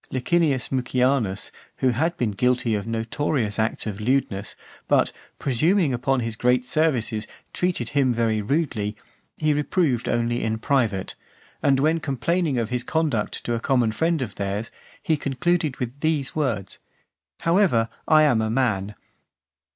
Licinius Mucianus, who had been guilty of notorious acts of lewdness, but, presuming upon his great services, treated him very rudely, he reproved only in private; and when complaining of his conduct to a common friend of theirs, he concluded with these words, "However, I am a man."